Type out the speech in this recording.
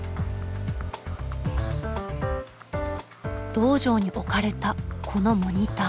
道場に置かれたこのモニター。